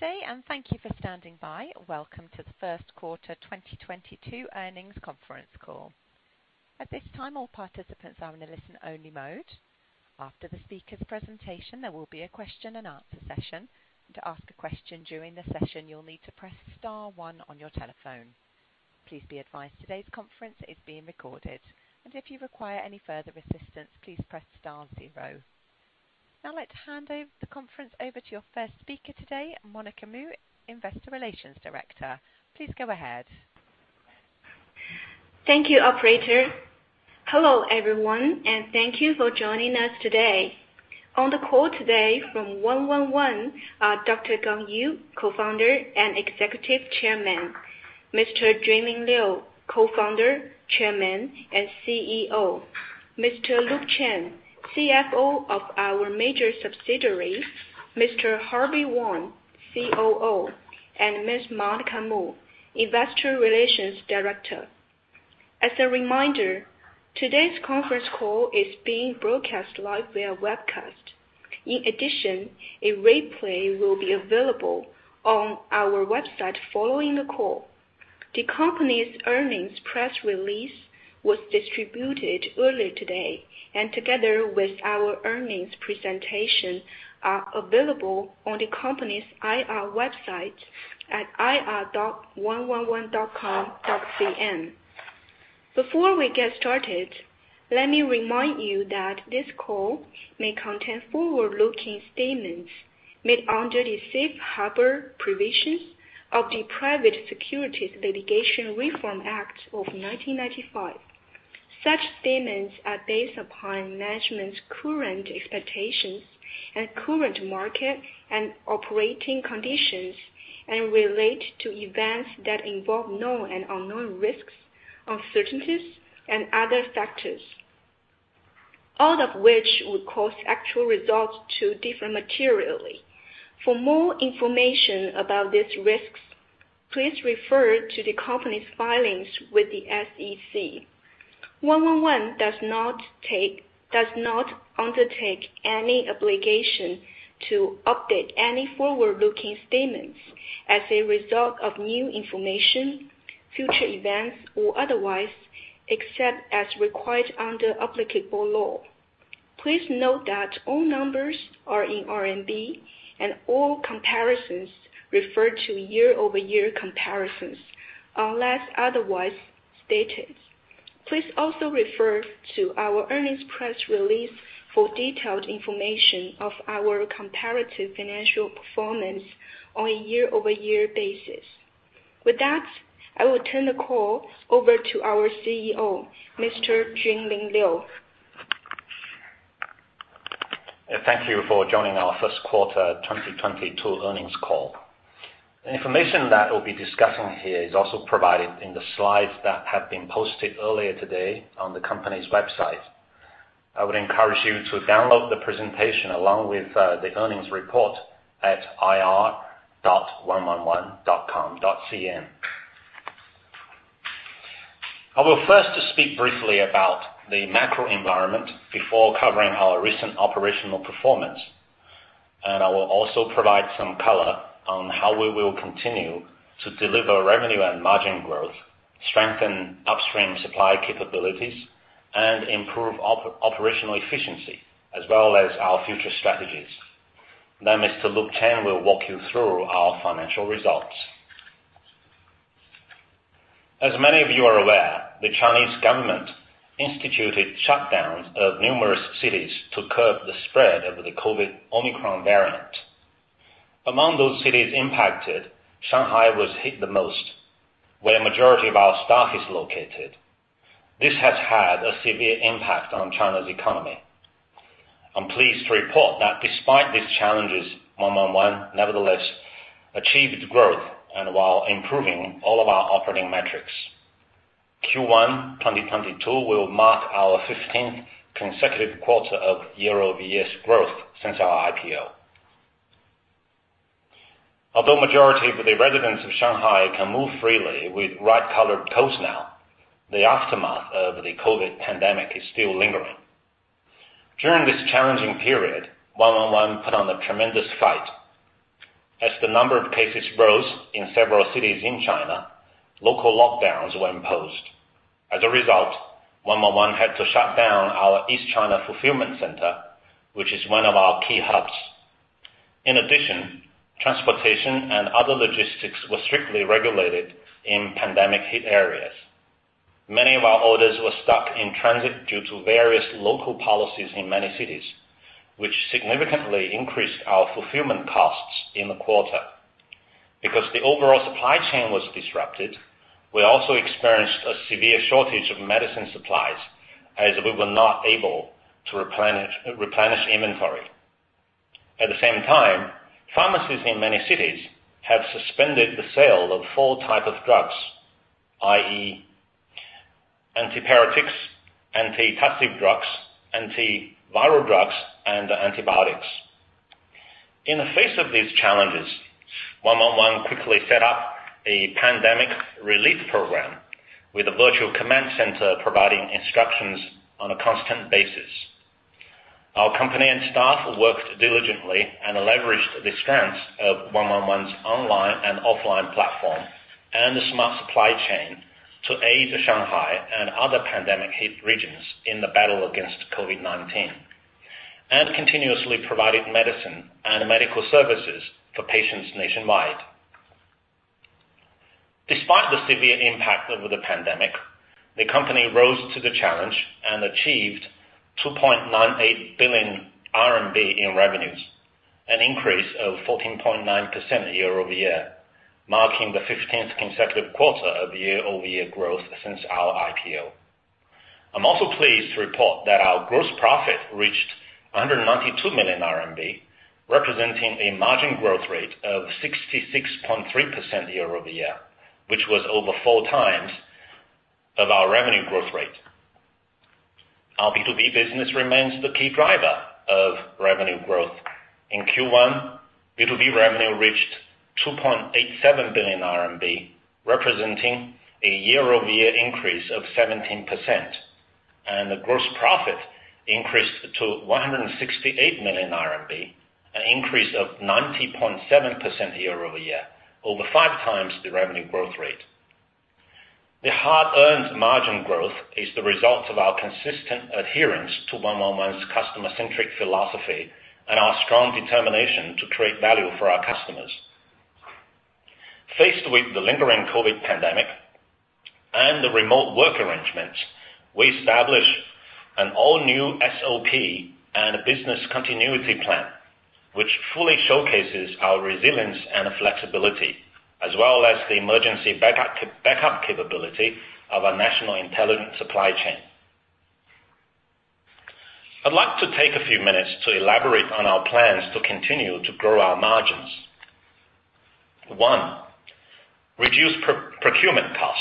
Good day, and thank you for standing by. Welcome to the first quarter 2022 earnings conference call. At this time, all participants are in a listen-only mode. After the speaker's presentation, there will be a question and answer session. To ask a question during the session, you'll need to press star one on your telephone. Please be advised today's conference is being recorded. If you require any further assistance, please press star zero. I'd like to hand over the conference to your first speaker today, Monica Mu, Investor Relations Director. Please go ahead. Thank you, operator. Hello, everyone, and thank you for joining us today. On the call today from 111 are Dr. Gang Yu, co-founder and executive chairman. Mr. Junling Liu, co-founder, chairman, and CEO. Mr. Luke Chen, CFO of our major subsidiary. Mr. Haihui Wang, COO. And Ms. Monica Mu, investor relations director. As a reminder, today's conference call is being broadcast live via webcast. In addition, a replay will be available on our website following the call. The company's earnings press release was distributed earlier today, and together with our earnings presentation are available on the company's IR website at ir.111.com.cn. Before we get started, let me remind you that this call may contain forward-looking statements made under the Safe Harbor Provisions of the Private Securities Litigation Reform Act of 1995. Such statements are based upon management's current expectations and current market and operating conditions, and relate to events that involve known and unknown risks, uncertainties, and other factors, all of which would cause actual results to differ materially. For more information about these risks, please refer to the company's filings with the SEC. 111, Inc. does not undertake any obligation to update any forward-looking statements as a result of new information, future events, or otherwise, except as required under applicable law. Please note that all numbers are in RMB and all comparisons refer to year-over-year comparisons unless otherwise stated. Please also refer to our earnings press release for detailed information of our comparative financial performance on a year-over-year basis. With that, I will turn the call over to our CEO, Mr. Junling Liu. Thank you for joining our first quarter 2022 earnings call. The information that we'll be discussing here is also provided in the slides that have been posted earlier today on the company's website. I would encourage you to download the presentation along with the earnings report at ir.111.com.cn. I will first speak briefly about the macro environment before covering our recent operational performance. I will also provide some color on how we will continue to deliver revenue and margin growth, strengthen upstream supply capabilities, and improve operational efficiency, as well as our future strategies. Then Mr. Luke Chen will walk you through our financial results. As many of you are aware, the Chinese government instituted shutdowns of numerous cities to curb the spread of the COVID Omicron variant. Among those cities impacted, Shanghai was hit the most, where a majority of our staff is located. This has had a severe impact on China's economy. I'm pleased to report that despite these challenges, 111, Inc. nevertheless achieved growth and while improving all of our operating metrics. Q1 2022 will mark our fifteenth consecutive quarter of year-over-year growth since our IPO. Although majority of the residents of Shanghai can move freely with red-colored codes now, the aftermath of the COVID pandemic is still lingering. During this challenging period, 111, Inc. put on a tremendous fight. As the number of cases rose in several cities in China, local lockdowns were imposed. As a result, 111, Inc. had to shut down our East China fulfillment center, which is one of our key hubs. In addition, transportation and other logistics were strictly regulated in pandemic hit areas. Many of our orders were stuck in transit due to various local policies in many cities, which significantly increased our fulfillment costs in the quarter. Because the overall supply chain was disrupted, we also experienced a severe shortage of medicine supplies as we were not able to replenish inventory. At the same time, pharmacies in many cities have suspended the sale of four types of drugs, i.e., antipyretics, antitussive drugs, antiviral drugs, and antibiotics. In the face of these challenges, 111 quickly set up a pandemic relief program with a virtual command center providing instructions on a constant basis. Our company and staff worked diligently and leveraged the strengths of 111's online and offline platform and the smart supply chain to aid Shanghai and other pandemic-hit regions in the battle against COVID-19, and continuously provided medicine and medical services for patients nationwide. Despite the severe impact of the pandemic, the company rose to the challenge and achieved 2.98 billion RMB in revenues, an increase of 14.9% year-over-year, marking the fifteenth consecutive quarter of year-over-year growth since our IPO. I'm also pleased to report that our gross profit reached 192 million RMB, representing a margin growth rate of 66.3% year-over-year, which was over four times of our revenue growth rate. Our B2B business remains the key driver of revenue growth. In Q1, B2B revenue reached 2.87 billion RMB, representing a year-over-year increase of 17%, and the gross profit increased to 168 million RMB, an increase of 90.7% year-over-year, over five times the revenue growth rate. The hard-earned margin growth is the result of our consistent adherence to 111's customer-centric philosophy and our strong determination to create value for our customers. Faced with the lingering COVID pandemic and the remote work arrangements, we established an all-new SOP and a business continuity plan, which fully showcases our resilience and flexibility as well as the emergency backup capability of our national intelligent supply chain. I'd like to take a few minutes to elaborate on our plans to continue to grow our margins. One, reduce procurement cost.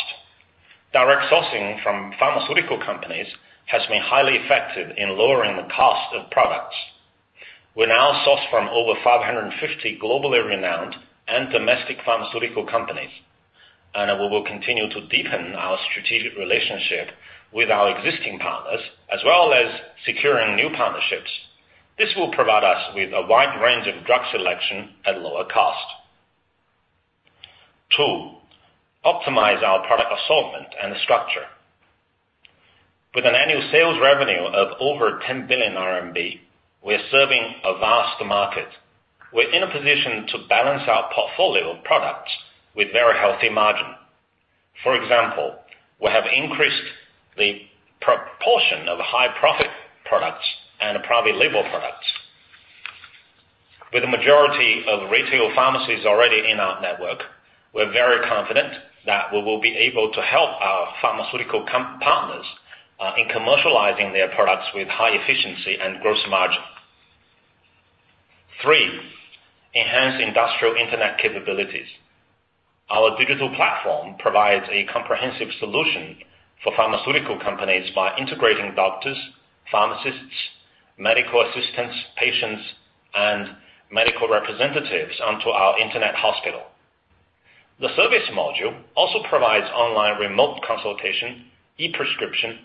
Direct sourcing from pharmaceutical companies has been highly effective in lowering the cost of products. We now source from over 550 globally renowned and domestic pharmaceutical companies, and we will continue to deepen our strategic relationship with our existing partners as well as securing new partnerships. This will provide us with a wide range of drug selection at lower cost. Two, optimize our product assortment and structure. With an annual sales revenue of over 10 billion RMB, we're serving a vast market. We're in a position to balance our portfolio of products with very healthy margin. For example, we have increased the proportion of high-profit products and private label products. With the majority of retail pharmacies already in our network, we're very confident that we will be able to help our pharmaceutical company partners in commercializing their products with high efficiency and gross margin. Three, enhance industrial internet capabilities. Our digital platform provides a comprehensive solution for pharmaceutical companies by integrating doctors, pharmacists, medical assistants, patients, and medical representatives onto our internet hospital. The service module also provides online remote consultation, e-prescription,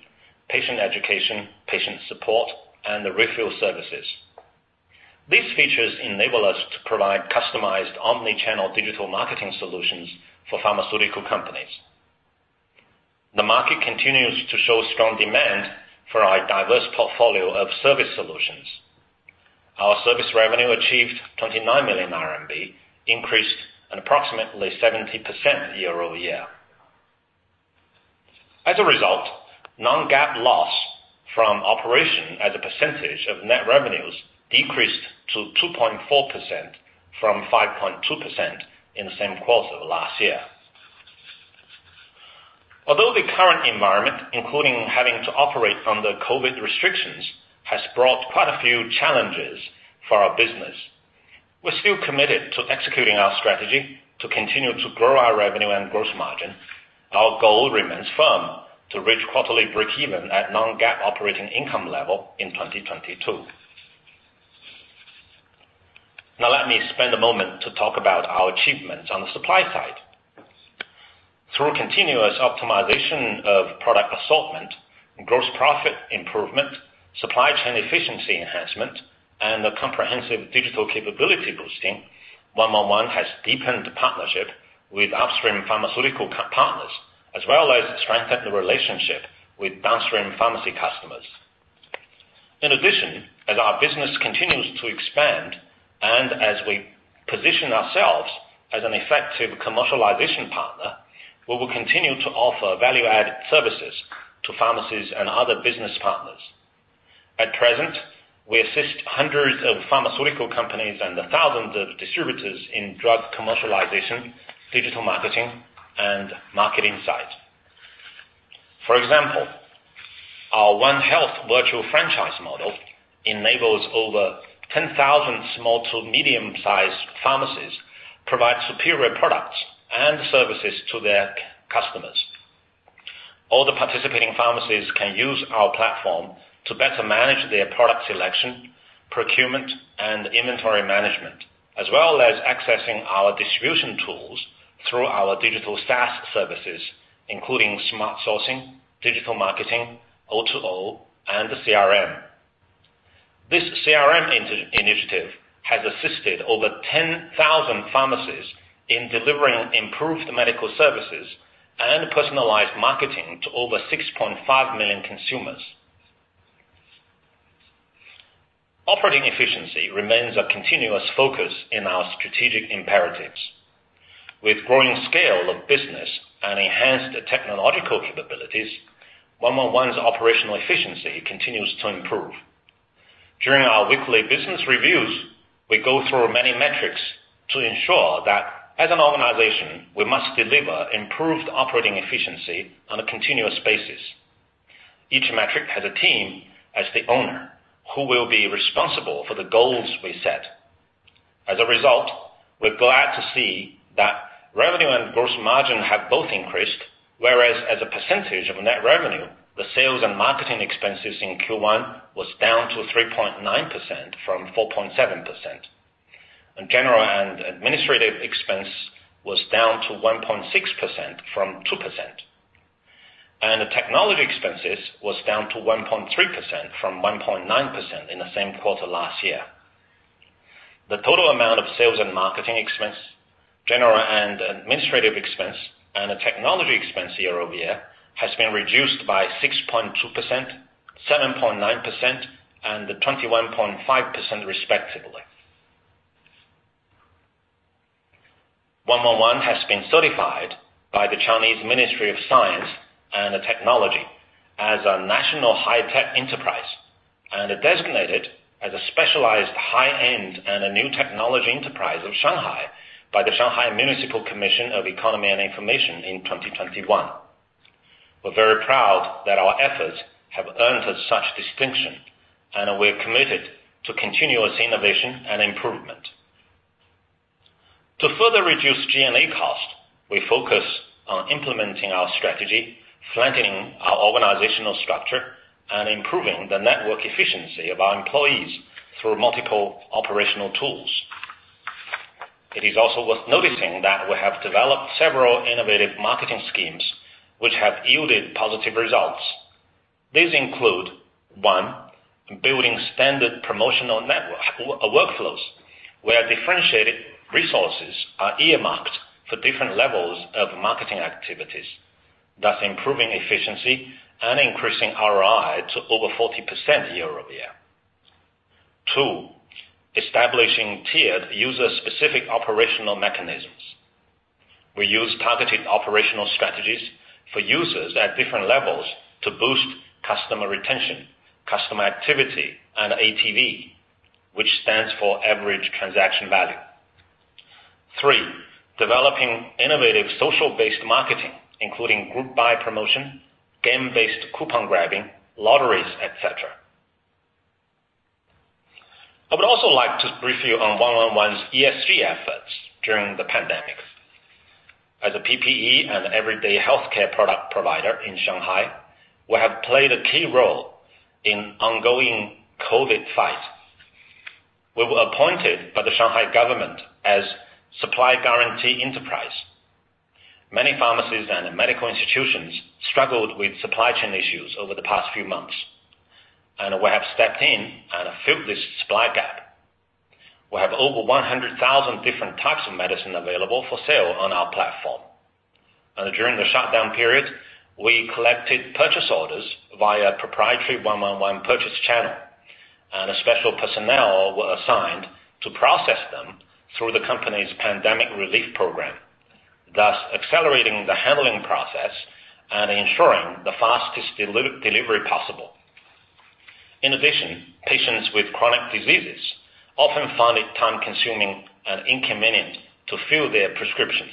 patient education, patient support, and the refill services. These features enable us to provide customized omni-channel digital marketing solutions for pharmaceutical companies. The market continues to show strong demand for our diverse portfolio of service solutions. Our service revenue achieved 29 million RMB, increased an approximately 70% year-over-year. As a result, non-GAAP loss from operation as a percentage of net revenues decreased to 2.4% from 5.2% in the same quarter last year. Although the current environment, including having to operate under COVID restrictions, has brought quite a few challenges for our business, we're still committed to executing our strategy to continue to grow our revenue and gross margin. Our goal remains firm. To reach quarterly breakeven at non-GAAP operating income level in 2022. Now let me spend a moment to talk about our achievements on the supply side. Through continuous optimization of product assortment and gross profit improvement, supply chain efficiency enhancement, and the comprehensive digital capability boosting, 111, Inc. has deepened partnership with upstream pharmaceutical partners as well as strengthened the relationship with downstream pharmacy customers. In addition, as our business continues to expand and as we position ourselves as an effective commercialization partner, we will continue to offer value-add services to pharmacies and other business partners. At present, we assist hundreds of pharmaceutical companies and thousands of distributors in drug commercialization, digital marketing, and market insight. For example, our One Health virtual franchise model enables over 10,000 small to medium-sized pharmacies provide superior products and services to their customers. All the participating pharmacies can use our platform to better manage their product selection, procurement and inventory management, as well as accessing our distribution tools through our digital SaaS services, including smart sourcing, digital marketing, O2O, and the CRM. This CRM initiative has assisted over 10,000 pharmacies in delivering improved medical services and personalized marketing to over 6.5 million consumers. Operating efficiency remains a continuous focus in our strategic imperatives. With growing scale of business and enhanced technological capabilities, 111's operational efficiency continues to improve. During our weekly business reviews, we go through many metrics to ensure that as an organization, we must deliver improved operating efficiency on a continuous basis. Each metric has a team as the owner, who will be responsible for the goals we set. As a result, we're glad to see that revenue and gross margin have both increased, whereas, as a percentage of net revenue, the sales and marketing expenses in Q1 was down to 3.9% from 4.7%. General and administrative expense was down to 1.6% from 2%. The technology expenses was down to 1.3% from 1.9% in the same quarter last year. The total amount of sales and marketing expense, general and administrative expense, and the technology expense year-over-year has been reduced by 6.2%, 7.9%, and 21.5% respectively. 111, Inc. has been certified by the Chinese Ministry of Science and Technology as a national high-tech enterprise, and designated as a specialized high-end and a new technology enterprise of Shanghai by the Shanghai Municipal Commission of Economy and Informatization in 2021. We're very proud that our efforts have earned us such distinction, and we're committed to continuous innovation and improvement. To further reduce G&A cost, we focus on implementing our strategy, flattening our organizational structure, and improving the work efficiency of our employees through multiple operational tools. It is also worth noticing that we have developed several innovative marketing schemes which have yielded positive results. These include, one, building standard promotional network workflows, where differentiated resources are earmarked for different levels of marketing activities, thus improving efficiency and increasing ROI to over 40% year-over-year. Two, establishing tiered user-specific operational mechanisms. We use targeted operational strategies for users at different levels to boost customer retention, customer activity, and ATV, which stands for average transaction value. Three, developing innovative social-based marketing, including group buy promotion, game-based coupon grabbing, lotteries, et cetera. I would also like to brief you on 111's ESG efforts during the pandemic. As a PPE and everyday healthcare product provider in Shanghai, we have played a key role in ongoing COVID fight. We were appointed by the Shanghai government as supply guarantee enterprise. Many pharmacies and medical institutions struggled with supply chain issues over the past few months, and we have stepped in and filled this supply gap. We have over 100,000 different types of medicine available for sale on our platform. During the shutdown period, we collected purchase orders via proprietary one-on-one purchase channel, and special personnel were assigned to process them through the company's pandemic relief program, thus accelerating the handling process and ensuring the fastest delivery possible. In addition, patients with chronic diseases often find it time-consuming and inconvenient to fill their prescriptions.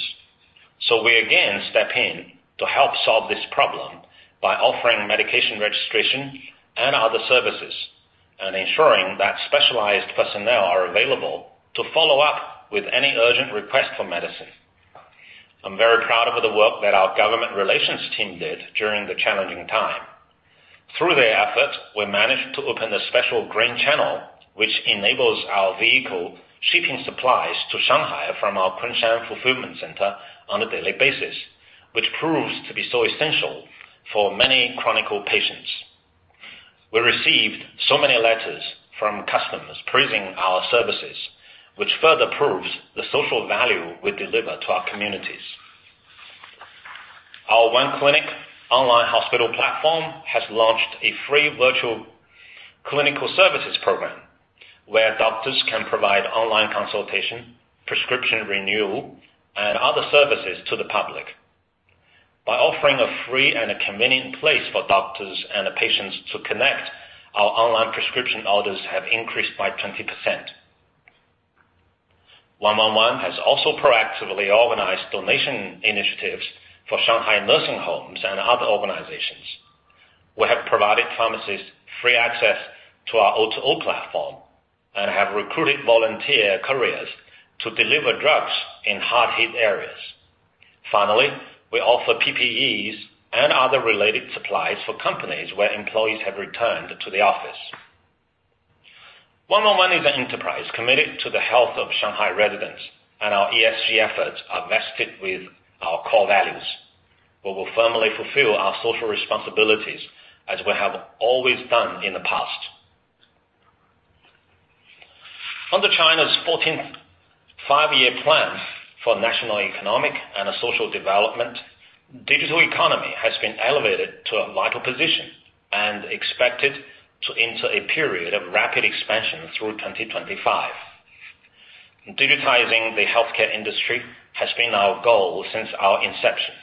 We again step in to help solve this problem by offering medication registration and other services, and ensuring that specialized personnel are available to follow up with any urgent request for medicine. I'm very proud of the work that our government relations team did during the challenging time. Through their efforts, we managed to open a special green channel, which enables our vehicles to ship supplies to Shanghai from our Kunshan fulfillment center on a daily basis, which proves to be so essential for many chronic patients. We received so many letters from customers praising our services, which further proves the social value we deliver to our communities. Our 1 Clinic online hospital platform has launched a free virtual clinical services program where doctors can provide online consultation, prescription renewal, and other services to the public. By offering a free and a convenient place for doctors and the patients to connect, our online prescription orders have increased by 20%. 111 has also proactively organized donation initiatives for Shanghai nursing homes and other organizations. We have provided pharmacies free access to our O2O platform and have recruited volunteer couriers to deliver drugs in hard-hit areas. Finally, we offer PPEs and other related supplies for companies where employees have returned to the office. 111 is an enterprise committed to the health of Shanghai residents, and our ESG efforts are vested with our core values. We will firmly fulfill our social responsibilities as we have always done in the past. Under China's 14th Five-Year Plan for National Economic and Social Development, digital economy has been elevated to a vital position and expected to enter a period of rapid expansion through 2025. Digitizing the healthcare industry has been our goal since our inception.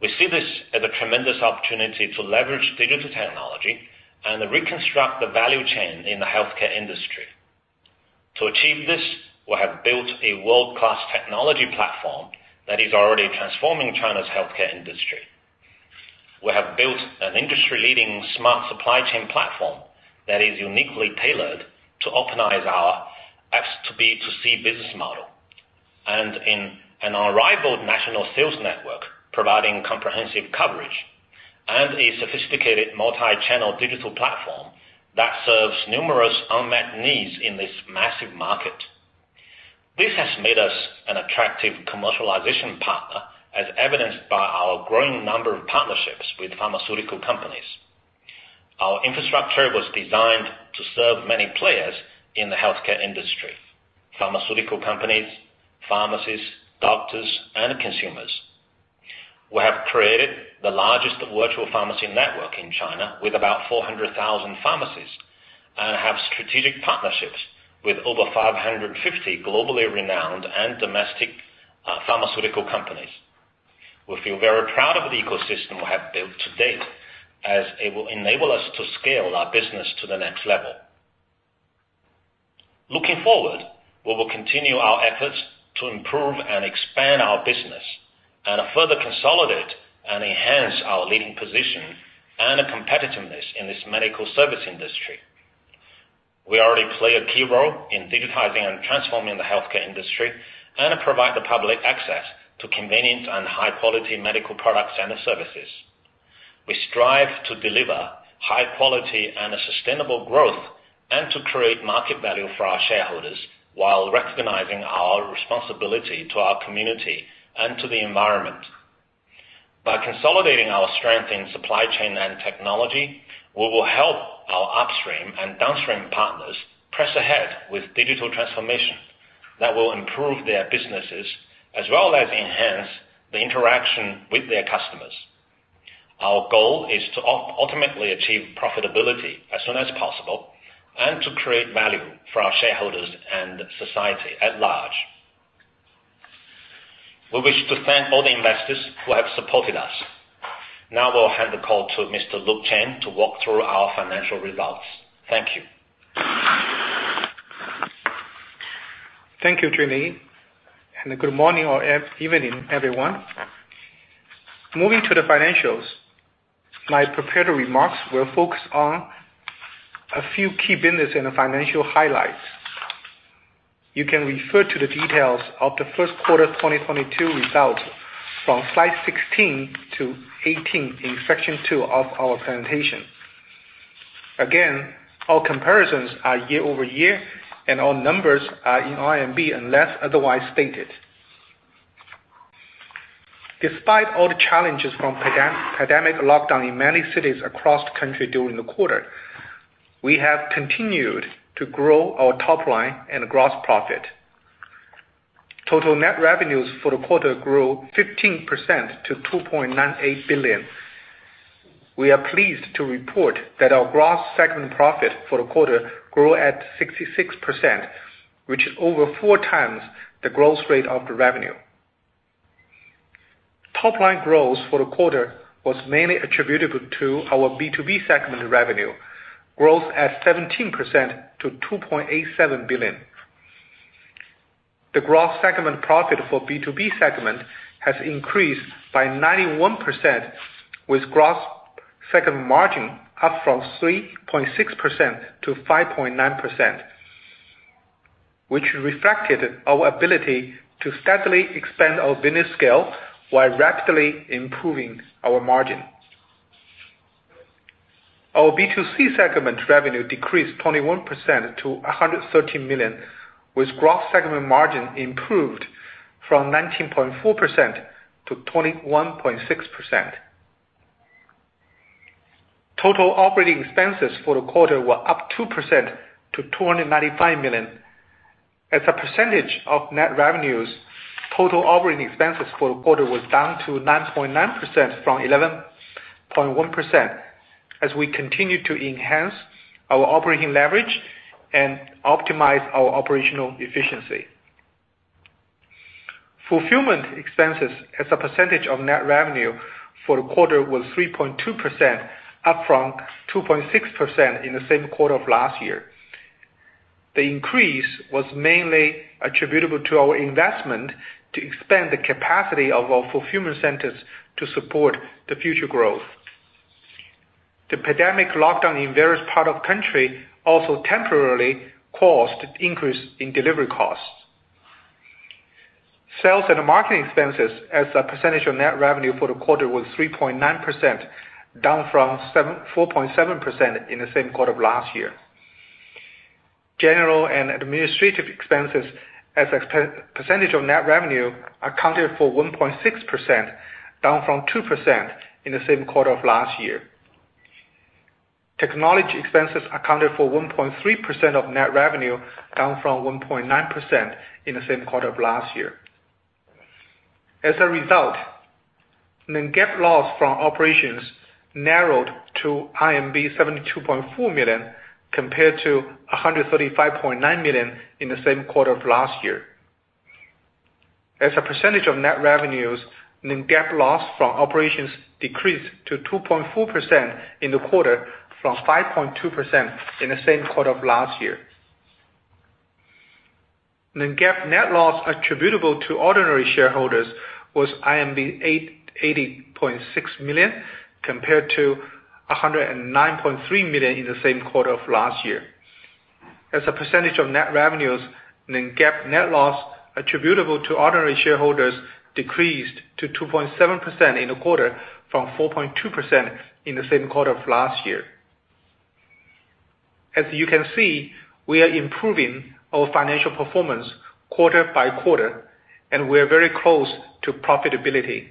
We see this as a tremendous opportunity to leverage digital technology and reconstruct the value chain in the healthcare industry. To achieve this, we have built a world-class technology platform that is already transforming China's healthcare industry. We have built an industry-leading smart supply chain platform that is uniquely tailored to optimize our S2B2C business model, and an unrivaled national sales network providing comprehensive coverage, and a sophisticated multi-channel digital platform that serves numerous unmet needs in this massive market. This has made us an attractive commercialization partner, as evidenced by our growing number of partnerships with pharmaceutical companies. Our infrastructure was designed to serve many players in the healthcare industry, pharmaceutical companies, pharmacies, doctors, and consumers. We have created the largest virtual pharmacy network in China with about 400,000 pharmacies and have strategic partnerships with over 550 globally renowned and domestic pharmaceutical companies. We feel very proud of the ecosystem we have built to date as it will enable us to scale our business to the next level. Looking forward, we will continue our efforts to improve and expand our business and further consolidate and enhance our leading position and competitiveness in this medical service industry. We already play a key role in digitizing and transforming the healthcare industry and provide the public access to convenient and high-quality medical products and services. We strive to deliver high quality and a sustainable growth and to create market value for our shareholders while recognizing our responsibility to our community and to the environment. By consolidating our strength in supply chain and technology, we will help our upstream and downstream partners press ahead with digital transformation that will improve their businesses as well as enhance the interaction with their customers. Our goal is to ultimately achieve profitability as soon as possible and to create value for our shareholders and society at large. We wish to thank all the investors who have supported us. Now I'll hand the call to Mr. Luke Chen to walk through our financial results. Thank you. Thank you, Junling, and good morning or evening, everyone. Moving to the financials, my prepared remarks will focus on a few key business and financial highlights. You can refer to the details of the first quarter 2022 results from slide 16 to 18 in section two of our presentation. Again, all comparisons are year-over-year, and all numbers are in RMB unless otherwise stated. Despite all the challenges from pandemic lockdown in many cities across the country during the quarter, we have continued to grow our top line and gross profit. Total net revenues for the quarter grew 15% to 2.98 billion. We are pleased to report that our gross segment profit for the quarter grew at 66%, which is over 4x the growth rate of the revenue. Top line growth for the quarter was mainly attributable to our B2B segment revenue growth at 17% to 2.87 billion. The gross segment profit for B2B segment has increased by 91%, with gross segment margin up from 3.6% to 5.9%, which reflected our ability to steadily expand our business scale while rapidly improving our margin. Our B2C segment revenue decreased 21% to 113 million, with gross segment margin improved from 19.4% to 21.6%. Total operating expenses for the quarter were up 2% to 295 million. As a percentage of net revenues, total operating expenses for the quarter was down to 9.9% from 11.1% as we continue to enhance our operating leverage and optimize our operational efficiency. Fulfillment expenses as a percentage of net revenue for the quarter was 3.2%, up from 2.6% in the same quarter of last year. The increase was mainly attributable to our investment to expand the capacity of our fulfillment centers to support the future growth. The pandemic lockdown in various parts of country also temporarily caused increase in delivery costs. Sales and marketing expenses as a percentage of net revenue for the quarter was 3.9%, down from four point seven percent in the same quarter of last year. General and administrative expenses as a percentage of net revenue accounted for 1.6%, down from 2% in the same quarter of last year. Technology expenses accounted for 1.3% of net revenue, down from 1.9% in the same quarter of last year. As a result, non-GAAP loss from operations narrowed to 72.4 million compared to 135.9 million in the same quarter of last year. As a percentage of net revenues, non-GAAP loss from operations decreased to 2.4% in the quarter from 5.2% in the same quarter of last year. Non-GAAP net loss attributable to ordinary shareholders was 88.6 million compared to 109.3 million in the same quarter of last year. As a percentage of net revenues, non-GAAP net loss attributable to ordinary shareholders decreased to 2.7% in the quarter from 4.2% in the same quarter of last year. As you can see, we are improving our financial performance quarter by quarter, and we are very close to profitability.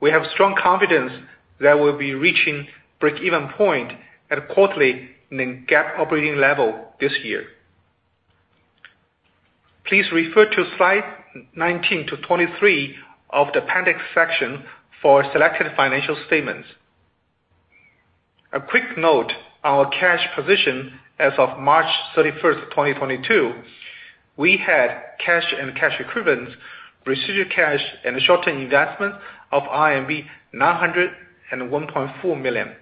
We have strong confidence that we'll be reaching break-even point at a quarterly non-GAAP operating level this year. Please refer to slide 19-23 of the appendix section for selected financial statements. A quick note, our cash position as of March 31, 2022, we had cash and cash equivalents, residual cash, and short-term investment of RMB 901.4 million.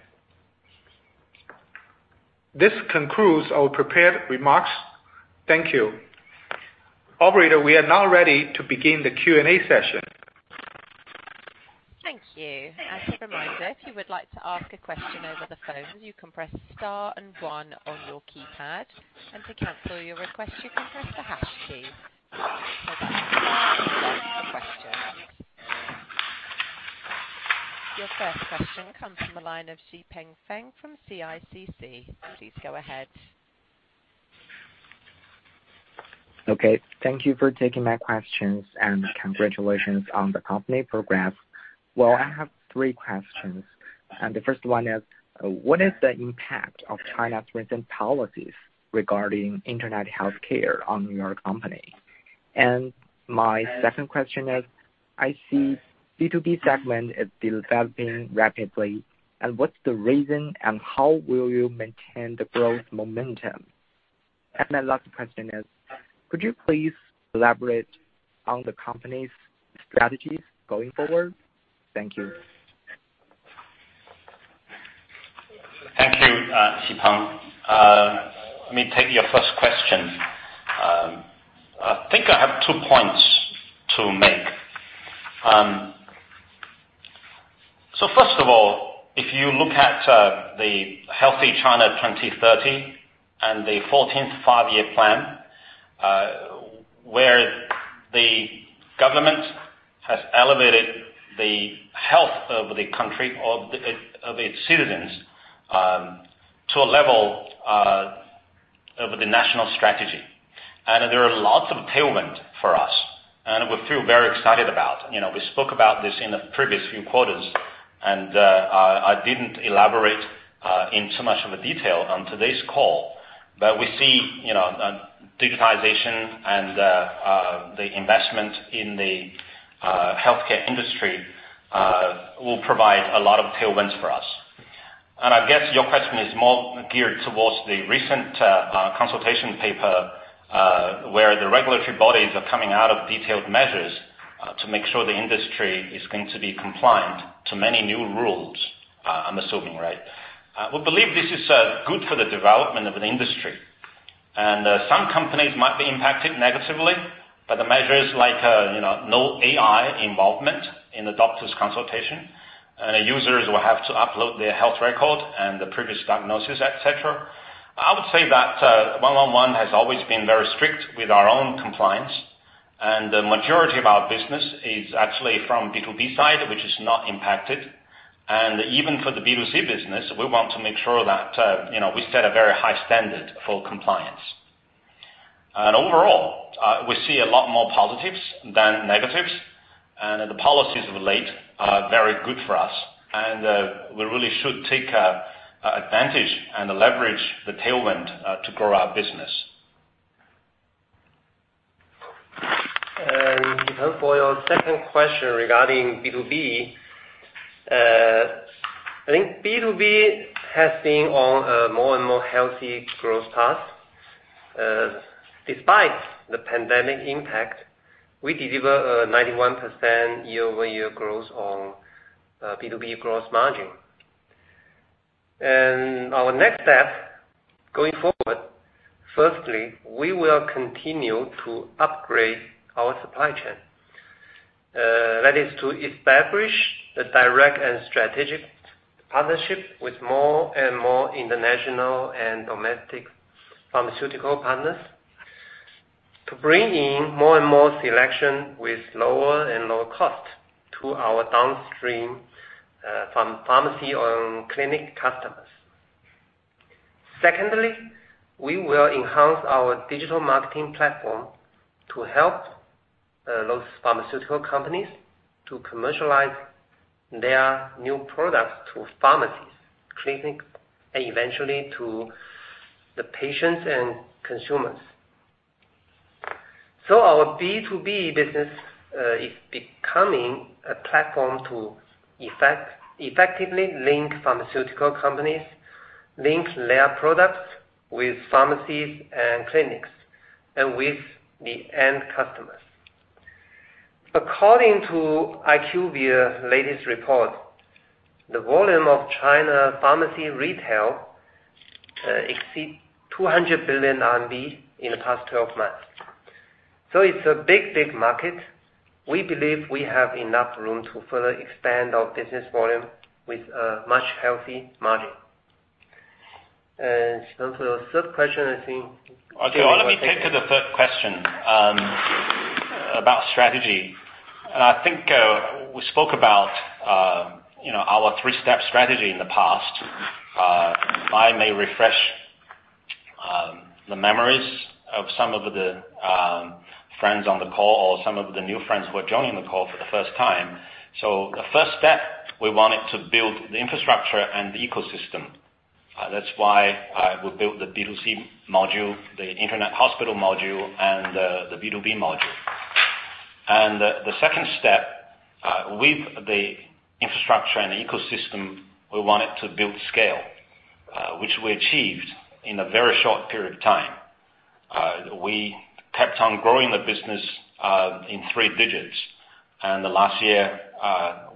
This concludes our prepared remarks. Thank you. Operator, we are now ready to begin the Q&A session. Thank you. As a reminder, if you would like to ask a question over the phone, you can press star and one on your keypad. To cancel your request, you can press the hash key. We're about to start the first question. Your first question comes from the line of Xipeng Feng from CICC. Please go ahead. Okay. Thank you for taking my questions, and congratulations on the company progress. Well, I have three questions, and the first one is, what is the impact of China's recent policies regarding internet healthcare on your company? My second question is, I see B2B segment is developing rapidly and what's the reason and how will you maintain the growth momentum? My last question is, could you please elaborate on the company's strategies going forward? Thank you. Thank you, Xipeng. Let me take your first question. I think I have two points to make. First of all, if you look at the Healthy China 2030 and the 14th Five-Year Plan, where the government has elevated the health of the country or of its citizens to a level of the national strategy. There are lots of tailwinds for us, and we feel very excited about. You know, we spoke about this in the previous few quarters, and I didn't elaborate in so much detail on today's call. We see, you know, digitization and the investment in the healthcare industry will provide a lot of tailwinds for us. I guess your question is more geared towards the recent consultation paper, where the regulatory bodies are coming out with detailed measures to make sure the industry is going to be compliant to many new rules, I'm assuming, right? We believe this is good for the development of the industry. Some companies might be impacted negatively by the measures like, you know, no AI involvement in the doctor's consultation, and users will have to upload their health record and the previous diagnosis, et cetera. I would say that 111 has always been very strict with our own compliance, and the majority of our business is actually from B2B side, which is not impacted. Even for the B2C business, we want to make sure that, you know, we set a very high standard for compliance. Overall, we see a lot more positives than negatives, and the policies related are very good for us. We really should take advantage and leverage the tailwind to grow our business. Xipeng, for your second question regarding B2B, I think B2B has been on a more and more healthy growth path. Despite the pandemic impact, we deliver a 91% year-over-year growth on B2B gross margin. Our next step going forward, firstly, we will continue to upgrade our supply chain. That is to establish the direct and strategic partnership with more and more international and domestic pharmaceutical partners to bring in more and more selection with lower and lower cost to our downstream pharmacy-owned clinic customers. Secondly, we will enhance our digital marketing platform to help those pharmaceutical companies to commercialize their new products to pharmacies, clinics, and eventually to the patients and consumers. Our B2B business is becoming a platform to effectively link pharmaceutical companies, link their products with pharmacies and clinics, and with the end customers. According to IQVIA's latest report, the volume of China pharmacy retail exceeds 200 billion RMB in the past 12 months. It's a big, big market. We believe we have enough room to further expand our business volume with a much healthy margin. The third question, I think- Okay. Well, let me turn to the third question about strategy. I think we spoke about you know our three-step strategy in the past. Let me refresh the memories of some of the friends on the call or some of the new friends who are joining the call for the first time. The first step, we wanted to build the infrastructure and the ecosystem. That's why we built the B2C module, the internet hospital module, and the B2B module. The second step with the infrastructure and the ecosystem, we wanted to build scale which we achieved in a very short period of time. We kept on growing the business in three digits. In the last year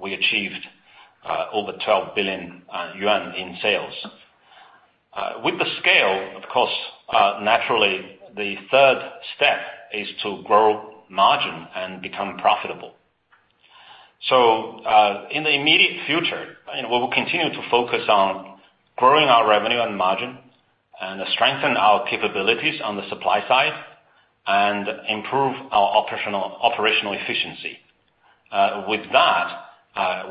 we achieved over 12 billion yuan in sales. With the scale, of course, naturally, the third step is to grow margin and become profitable. In the immediate future, we will continue to focus on growing our revenue and margin and strengthen our capabilities on the supply side and improve our operational efficiency. With that,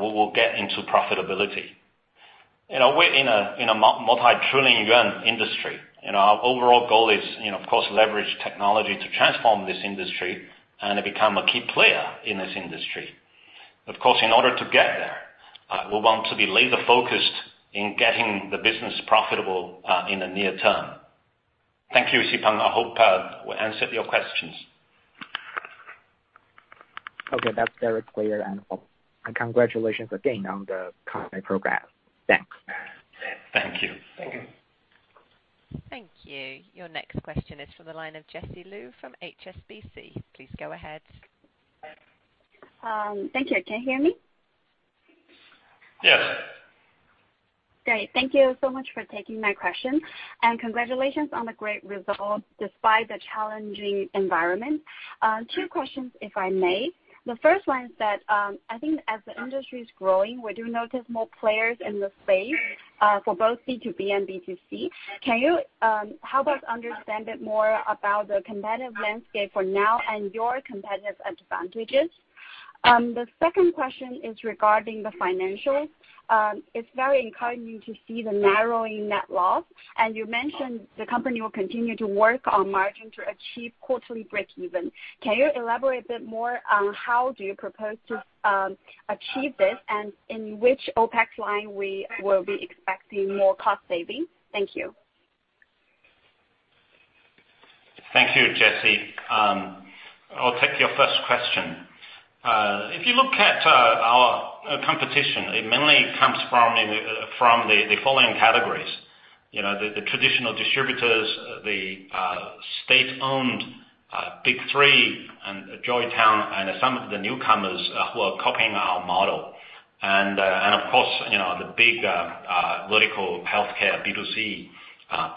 we will get into profitability. You know, we're in a multi-trillion yuan industry, and our overall goal is, you know, of course, leverage technology to transform this industry and to become a key player in this industry. Of course, in order to get there, we want to be laser-focused in getting the business profitable in the near term. Thank you, Xipeng. I hope we answered your questions. Okay. That's very clear and helpful. Congratulations again on the company program. Thanks. Thank you. Thank you. Thank you. Your next question is from the line of Jessie Lu from HSBC. Please go ahead. Thank you. Can you hear me? Yes. Great. Thank you so much for taking my question, and congratulations on the great results despite the challenging environment. Two questions, if I may. The first one is that, I think as the industry's growing, we do notice more players in the space, for both B2B and B2C. Can you help us understand a bit more about the competitive landscape for now and your competitive advantages? The second question is regarding the financials. It's very encouraging to see the narrowing net loss. As you mentioned, the company will continue to work on margin to achieve quarterly breakeven. Can you elaborate a bit more on how do you propose to achieve this and in which OPEX line we will be expecting more cost savings? Thank you. Thank you, Jessie. I'll take your first question. If you look at our competition, it mainly comes from the following categories. You know, the traditional distributors, the state-owned big three and Jointown and some of the newcomers who are copying our model. Of course, you know, the big vertical healthcare B2C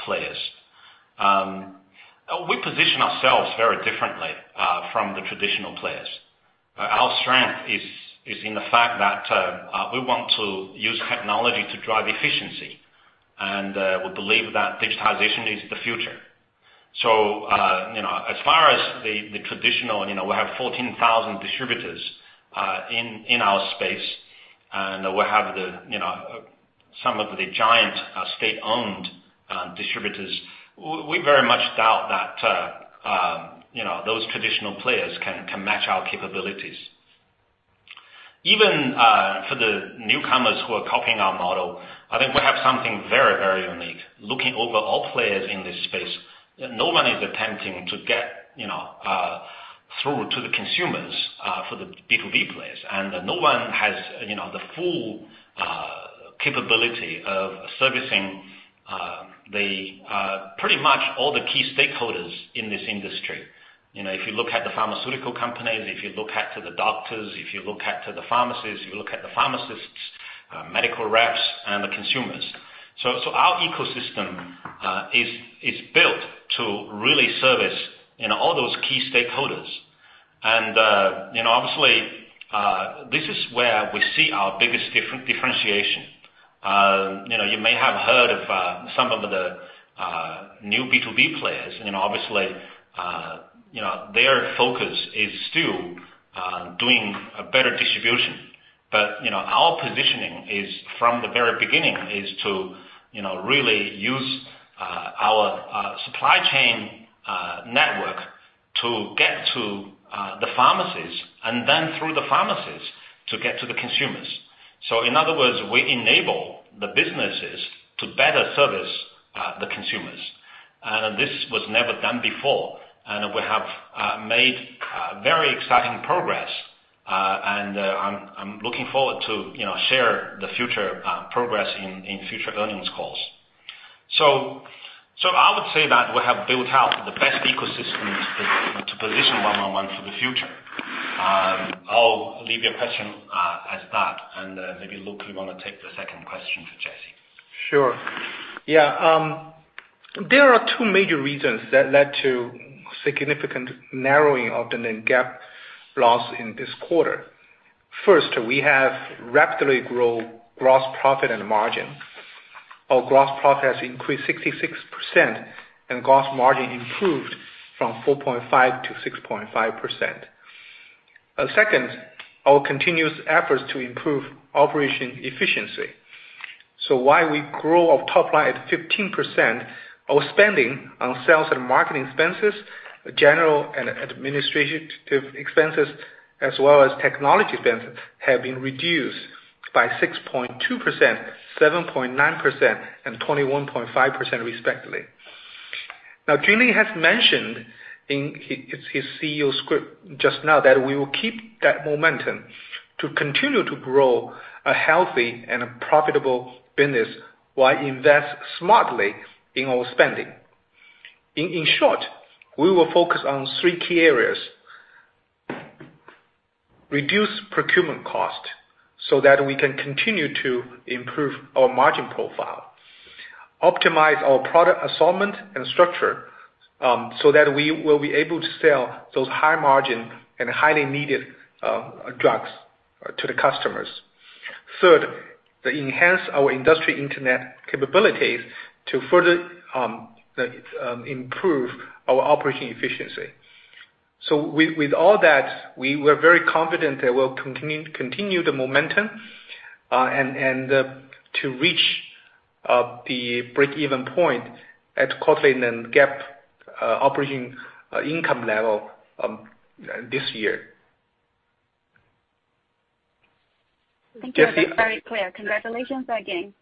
players. We position ourselves very differently from the traditional players. Our strength is in the fact that we want to use technology to drive efficiency, and we believe that digitization is the future. You know, as far as the traditional, you know, we have 14,000 distributors in our space, and we have some of the giant state-owned distributors. We very much doubt that, you know, those traditional players can match our capabilities. Even for the newcomers who are copying our model, I think we have something very, very unique. Looking over all players in this space, no one is attempting to get, you know, through to the consumers for the B2B players. No one has, you know, the full capability of servicing pretty much all the key stakeholders in this industry. You know, if you look at the pharmaceutical companies, if you look at the doctors, if you look at the pharmacies, if you look at the pharmacists, medical reps and the consumers. Our ecosystem is built to really service, you know, all those key stakeholders. You know, obviously, this is where we see our biggest differentiation. You know, you may have heard of some of the new B2B players, you know, obviously, you know, their focus is still doing a better distribution. You know, our positioning is from the very beginning is to, you know, really use our supply chain network to get to the pharmacies and then through the pharmacies to get to the consumers. In other words, we enable the businesses to better service the consumers. This was never done before, and we have made very exciting progress. I'm looking forward to, you know, share the future progress in future earnings calls. I would say that we have built out the best ecosystem to position 111 for the future. I'll leave your question as that, and maybe Luke, you wanna take the second question to Jessie. Sure. Yeah. There are two major reasons that led to significant narrowing of the non-GAAP loss in this quarter. First, we have rapidly grown gross profit and margin. Our gross profit has increased 66%, and gross margin improved from 4.5% to 6.5%. Second, our continuous efforts to improve operational efficiency. While we grow our top line at 15%, our spending on sales and marketing expenses, general and administrative expenses, as well as technology expenses, have been reduced by 6.2%, 7.9%, and 21.5% respectively. Now, Junling Liu has mentioned in his CEO script just now that we will keep that momentum to continue to grow a healthy and a profitable business while invest smartly in our spending. In short, we will focus on three key areas. Reduce procurement cost so that we can continue to improve our margin profile. Optimize our product assortment and structure, so that we will be able to sell those high margin and highly needed drugs to the customers. Third, to enhance our industry internet capabilities to further improve our operating efficiency. With all that, we were very confident that we'll continue the momentum and to reach the break-even point at quarterly non-GAAP operating income level this year. Thank you. Jesse- That's very clear. Congratulations again.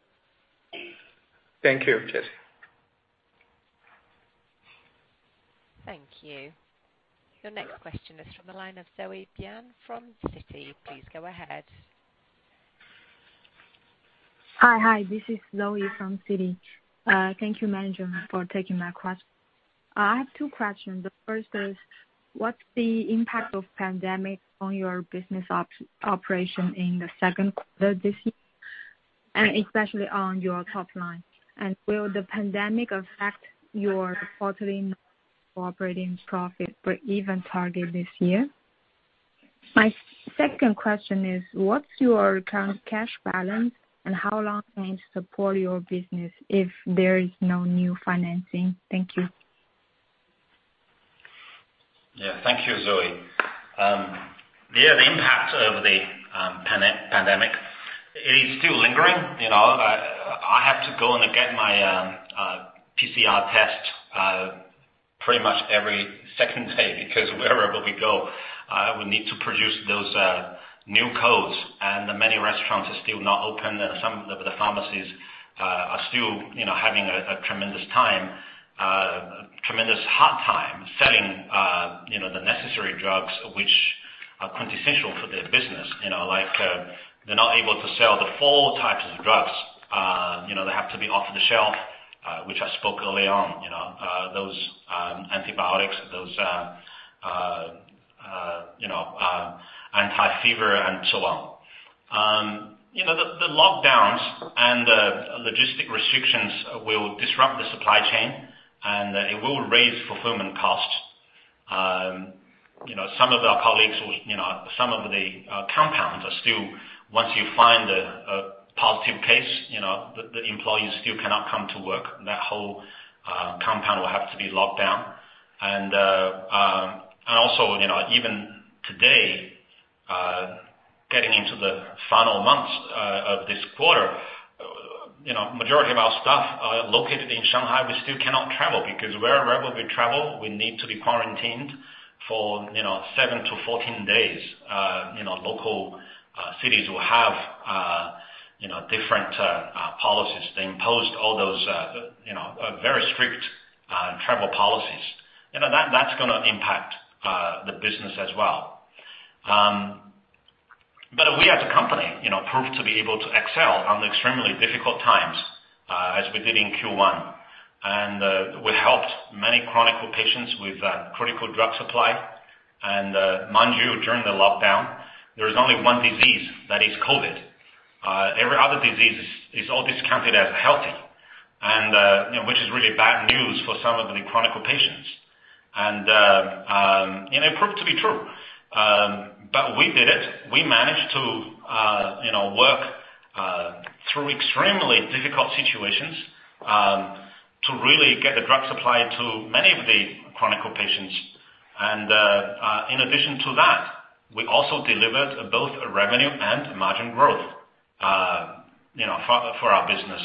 Thank you, Jessie. Thank you. Your next question is from the line of Zoe Bian from Citi. Please go ahead. Hi, this is Zoe from Citi. Thank you, management, for taking my question. I have two questions. The first is, what's the impact of pandemic on your business operations in the second quarter this year, and especially on your top line? Will the pandemic affect your quarterly operating profit break-even target this year? My second question is, what's your current cash balance and how long can it support your business if there is no new financing? Thank you. Yeah. Thank you, Zoe. The impact of the pandemic is still lingering. You know, I have to go and get my PCR test pretty much every second day because wherever we go, we need to produce those new codes, and many restaurants are still not open. Some of the pharmacies are still, you know, having a tremendous hard time selling, you know, the necessary drugs which are quintessential for their business. You know, like, they're not able to sell the four types of drugs. You know, they have to be off the shelf, which I spoke early on. You know, those antibiotics, those, you know, anti-fever and so on. You know, the lockdowns and the logistics restrictions will disrupt the supply chain, and it will raise fulfillment costs. You know, some of our colleagues, you know, some of the compounds are still once you find a positive case, you know, the employees still cannot come to work. That whole compound will have to be locked down. Also, you know, even today, getting into the final months of this quarter, you know, majority of our staff located in Shanghai, we still cannot travel because wherever we travel, we need to be quarantined for, you know, 7-14 days. You know, local cities will have, you know, different policies. They imposed all those, you know, very strict travel policies. You know, that's gonna impact the business as well. We as a company, you know, proved to be able to excel on extremely difficult times, as we did in Q1. We helped many chronic patients with critical drug supply. Mind you, during the lockdown, there is only one disease, that is COVID. Every other disease is all discounted as healthy. You know, which is really bad news for some of the chronic patients. It proved to be true. We did it. We managed to, you know, work through extremely difficult situations to really get the drug supply to many of the chronic patients. In addition to that, we also delivered both revenue and margin growth, you know, for our business.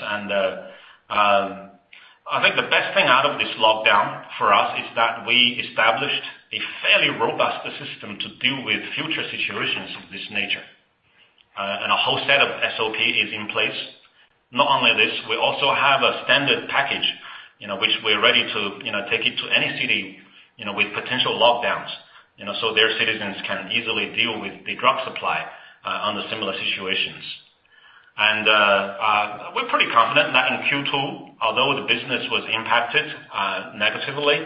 I think the best thing out of this lockdown for us is that we established a fairly robust system to deal with future situations of this nature. A whole set of SOP is in place. Not only this, we also have a standard package, you know, which we're ready to, you know, take it to any city, you know, with potential lockdowns, you know, so their citizens can easily deal with the drug supply, under similar situations. We're pretty confident that in Q2, although the business was impacted, negatively,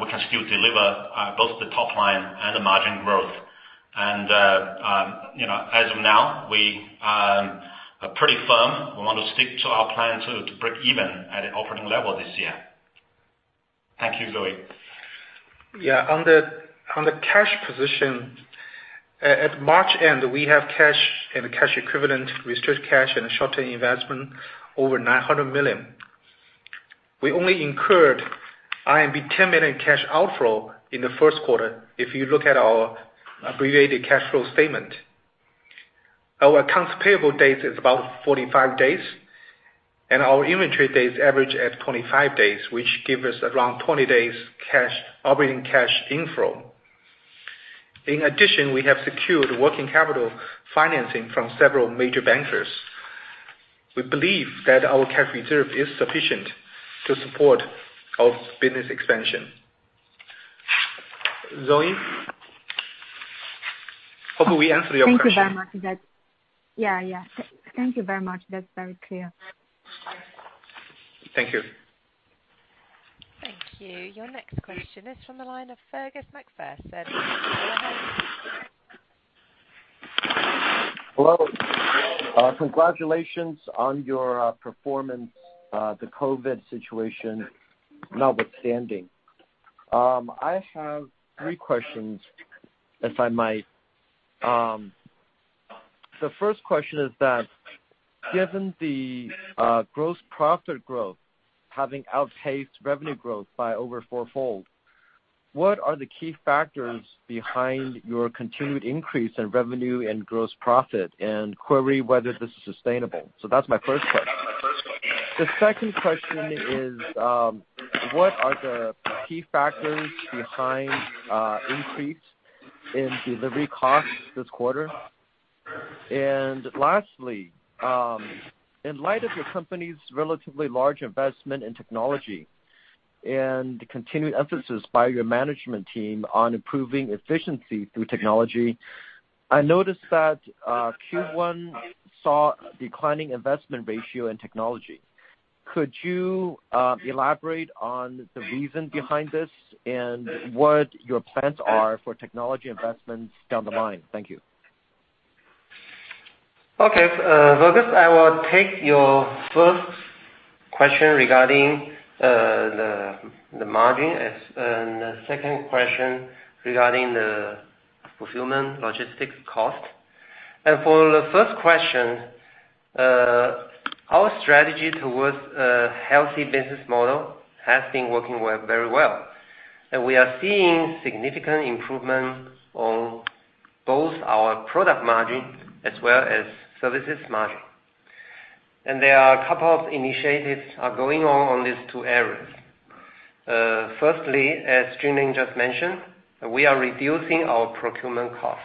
we can still deliver, both the top line and the margin growth. You know, as of now, we are pretty firm. We want to stick to our plan to break even at an operating level this year. Thank you, Zoe. Yeah. On the cash position, at March end, we have cash and cash equivalents, restricted cash and short-term investments over 900 million. We only incurred 10 million cash outflow in the first quarter, if you look at our abbreviated cash flow statement. Our accounts payable days is about 45 days, and our inventory days average at 25 days, which give us around 20 days cash operating cash inflow. In addition, we have secured working capital financing from several major bankers. We believe that our cash reserve is sufficient to support our business expansion. Zoe, hope we answer your question. Thank you very much. Yeah, yeah. Thank you very much. That's very clear. Thank you. Thank you. Your next question is from the line of Fergus McPherson. Go ahead. Hello. Congratulations on your performance, the COVID situation notwithstanding. I have three questions, if I might. The first question is that, given the gross profit growth having outpaced revenue growth by over four-fold, what are the key factors behind your continued increase in revenue and gross profit, and query whether this is sustainable? That's my first question. The second question is, what are the key factors behind increase in delivery costs this quarter? Lastly, in light of your company's relatively large investment in technology and the continued emphasis by your management team on improving efficiency through technology, I noticed that Q1 saw a declining investment ratio in technology. Could you elaborate on the reason behind this and what your plans are for technology investments down the line? Thank you. Okay. Fergus McPherson, I will take your first question regarding the margin. The second question regarding the fulfillment logistics cost. For the first question, our strategy towards a healthy business model has been working well, very well. We are seeing significant improvement on both our product margin as well as services margin. There are a couple of initiatives going on on these two areas. Firstly, as Junling Liu just mentioned, we are reducing our procurement costs.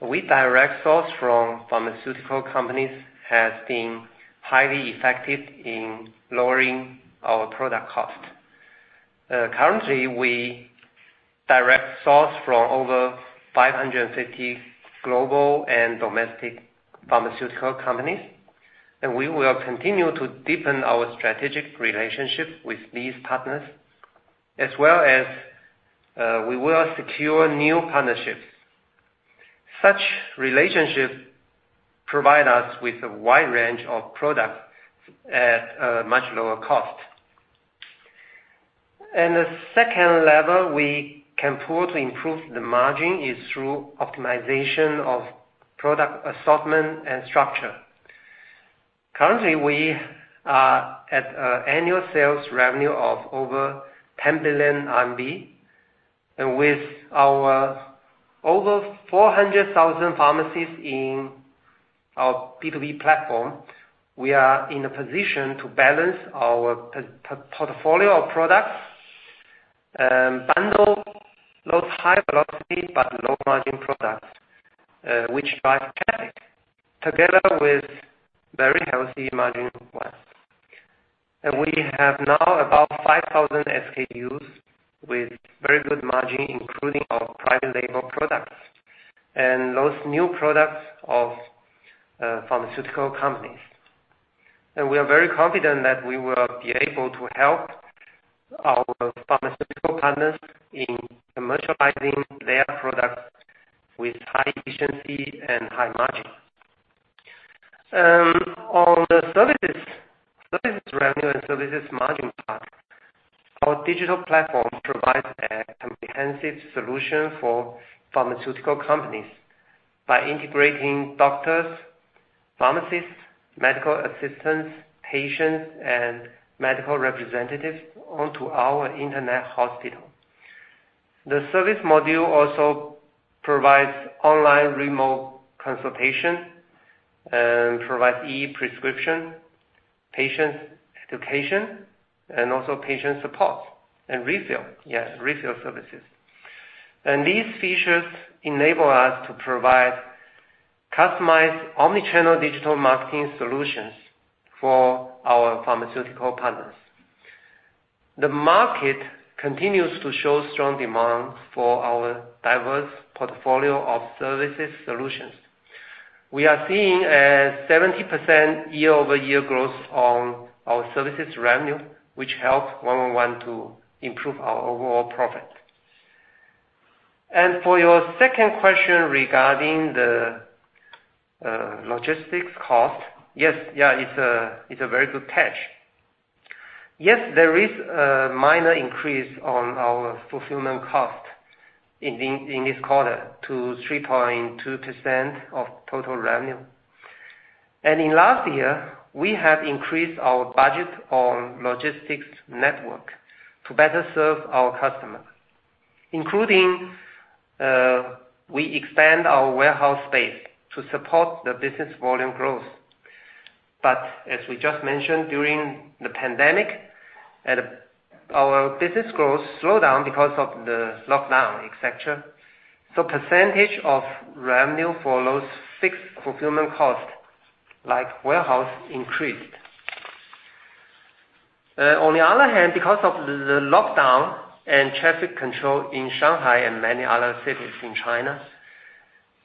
We direct source from pharmaceutical companies has been highly effective in lowering our product cost. Currently, we direct source from over 550 global and domestic pharmaceutical companies, and we will continue to deepen our strategic relationship with these partners, as well as we will secure new partnerships. Such relationships provide us with a wide range of products at a much lower cost. The second lever we can pull to improve the margin is through optimization of product assortment and structure. Currently, we are at annual sales revenue of over 10 billion RMB. With our over 400,000 pharmacies in our B2B platform, we are in a position to balance our portfolio of products, bundle those high velocity but low margin products, which drive traffic together with very healthy margin wise. We have now about 5,000 SKUs with very good margin, including our private label products and those new products of pharmaceutical companies. We are very confident that we will be able to help our pharmaceutical partners in commercializing their products with high efficiency and high margin. On the services revenue and services margin part, our digital platform provides a comprehensive solution for pharmaceutical companies by integrating doctors, pharmacists, medical assistants, patients, and medical representatives onto our internet hospital. The service module also provides online remote consultation and provides e-prescription, patient education, and also patient support and refill services. These features enable us to provide customized omni-channel digital marketing solutions for our pharmaceutical partners. The market continues to show strong demand for our diverse portfolio of services solutions. We are seeing a 70% year-over-year growth on our services revenue, which helps 111 to improve our overall profit. For your second question regarding the logistics cost, it's a very good catch. There is a minor increase on our fulfillment cost in this quarter to 3.2% of total revenue. In last year, we have increased our budget on logistics network to better serve our customers, including we expand our warehouse space to support the business volume growth. As we just mentioned during the pandemic and our business growth slowed down because of the lockdown, et cetera. Percentage of revenue for those fixed fulfillment costs like warehouse increased. On the other hand, because of the lockdown and traffic control in Shanghai and many other cities in China,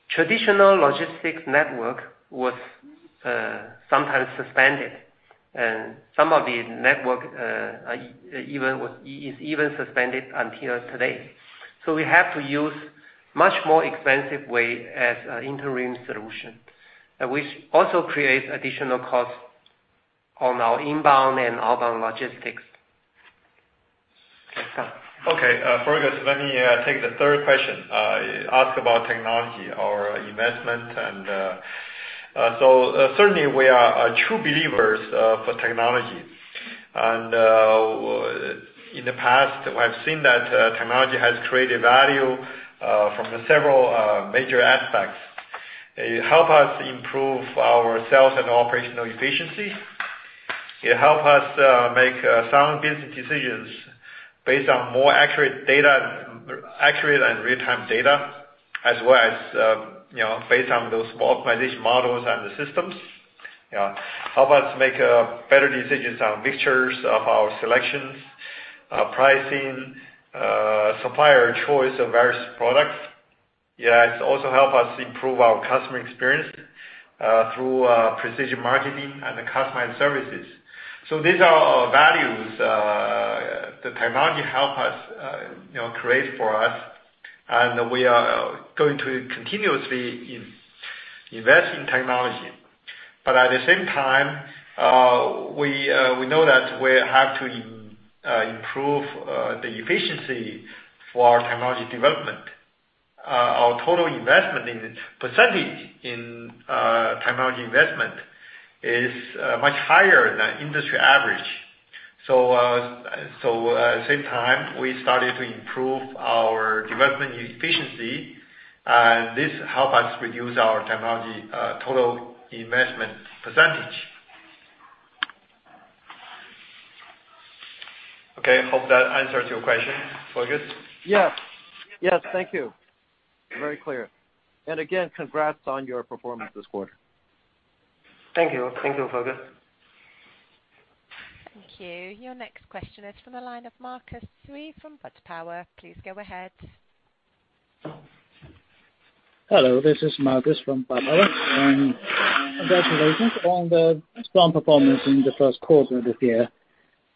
traditional logistics network was sometimes suspended and some of the network even was suspended until today. We have to use much more expensive way as interim solution, which also creates additional costs on our inbound and outbound logistics. Yes, Tom. Okay. Fergus, let me take the third question asked about technology or investment, so certainly we are true believers for technology. In the past, we have seen that technology has created value from several major aspects. It help us improve our sales and operational efficiency. It help us make sound business decisions based on more accurate and real-time data, as well as, you know, based on those optimization models and the systems, you know. Help us make better decisions on purchasing our selections, pricing, supplier choice of various products. Yeah, it's also help us improve our customer experience through precision marketing and the customized services. These are our values, the technology help us, you know, create for us, and we are going to continuously invest in technology. At the same time, we know that we have to improve the efficiency for technology development. Our total investment in percentage in technology investment is much higher than industry average. At the same time we started to improve our development efficiency, and this help us reduce our technology total investment percentage. Okay, hope that answers your question, Fergus. Yes. Yes, thank you. Very clear. Again, congrats on your performance this quarter. Thank you. Thank you, Fergus. Thank you. Your next question is from the line of Marcus Sui from [Brdge Tower]. Please go ahead. Hello, this is Marcus Sui from Bridge Tower. Congratulations on the strong performance in the first quarter of this year.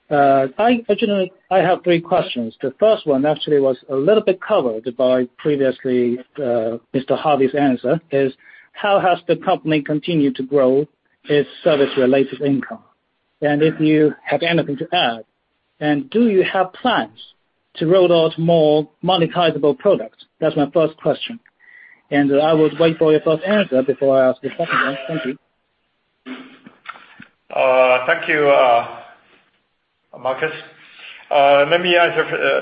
I actually have three questions. The first one actually was a little bit covered previously by Mr. Haihui Wang's answer. How has the company continued to grow its service related income? If you have anything to add. Do you have plans to roll out more monetizable products? That's my first question, and I would wait for your first answer before I ask the second one. Thank you. Thank you, Marcus. Let me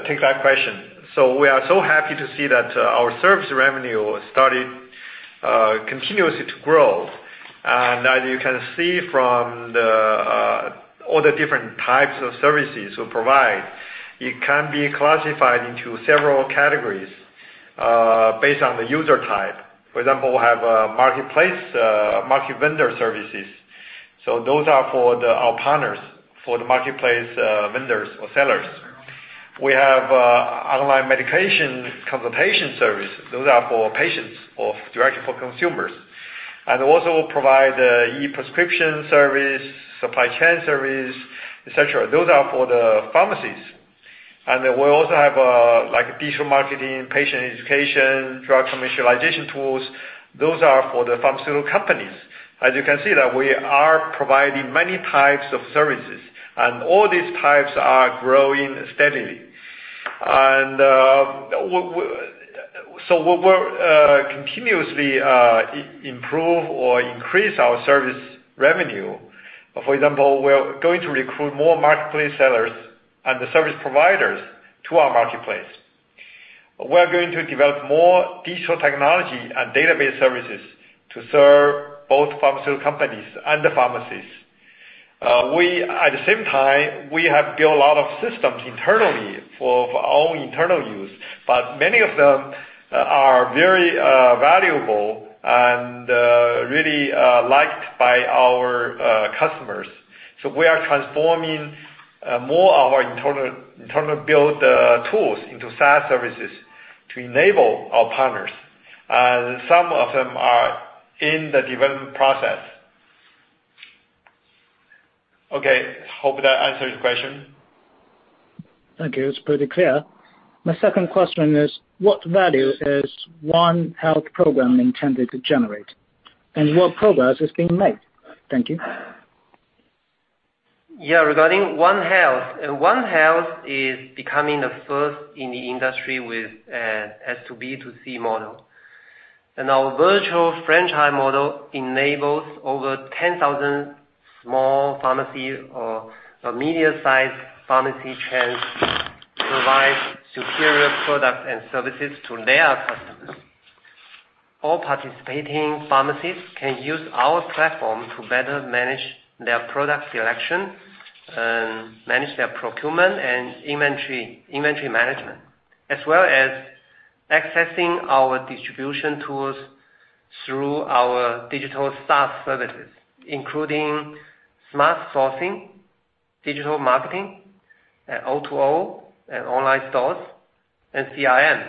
take that question. We are so happy to see that our service revenue started continuously to grow. As you can see from all the different types of services we provide, it can be classified into several categories based on the user type. For example, we have a marketplace market vendor services. Those are for our partners, for the marketplace vendors or sellers. We have online medication consultation service. Those are for patients or directly for consumers. We also provide e-prescription service, supply chain service, et cetera. Those are for the pharmacies. We also have like digital marketing, patient education, drug commercialization tools. Those are for the pharmaceutical companies. As you can see that we are providing many types of services, and all these types are growing steadily. We're continuously improve or increase our service revenue. For example, we're going to recruit more marketplace sellers and the service providers to our marketplace. We're going to develop more digital technology and database services to serve both pharmaceutical companies and the pharmacies. At the same time, we have built a lot of systems internally for our own internal use, but many of them are very valuable and really liked by our customers. We are transforming more of our internal build tools into SaaS services to enable our partners. Some of them are in the development process. Okay, hope that answers your question. Thank you. It's pretty clear. My second question is, what value is One Health program intended to generate? What progress is being made? Thank you. Regarding One Health. One Health is becoming the first in the industry with S2B2C model. Our virtual franchise model enables over 10,000 small pharmacy or medium-sized pharmacy chains to provide superior products and services to their customers. All participating pharmacies can use our platform to better manage their product selection and manage their procurement and inventory management. As well as accessing our distribution tools through our digital SaaS services, including smart sourcing, digital marketing, and O2O, and online stores, and CRM.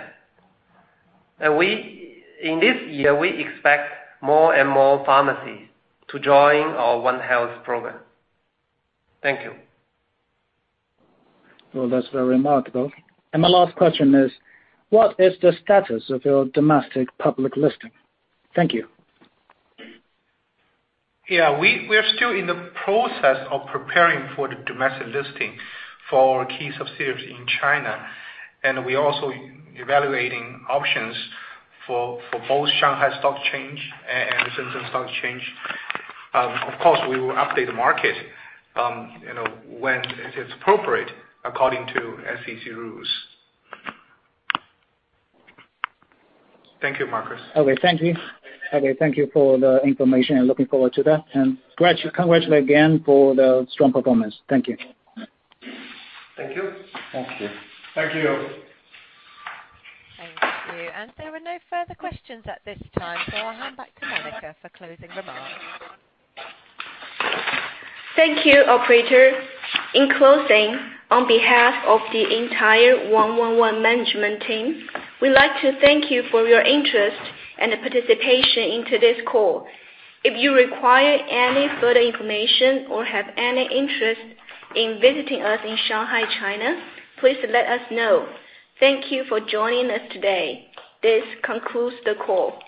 In this year, we expect more and more pharmacies to join our One Health program. Thank you. Well, that's very remarkable. My last question is, what is the status of your domestic public listing? Thank you. Yeah. We're still in the process of preparing for the domestic listing for our key subsidiaries in China. We're also evaluating options for both Shanghai Stock Exchange and the Shenzhen Stock Exchange. Of course, we will update the market, you know, when it is appropriate, according to SEC rules. Thank you, Marcus. Okay. Thank you. Okay, thank you for the information and looking forward to that. Congratulate again for the strong performance. Thank you. Thank you. Thank you. Thank you. Thank you. There are no further questions at this time, so I'll hand back to Monica for closing remarks. Thank you, operator. In closing, on behalf of the entire 111 management team, we'd like to thank you for your interest and participation in today's call. If you require any further information or have any interest in visiting us in Shanghai, China, please let us know. Thank you for joining us today. This concludes the call.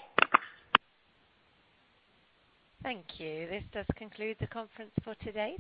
Thank you. This does conclude the conference for today.